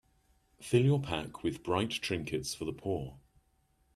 Fill your pack with bright trinkets for the poor.